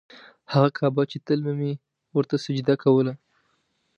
هغه کعبه چې تل به مې ورته سجده کوله.